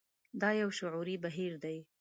دا يو شعوري بهير دی.